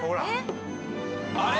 「あれ？」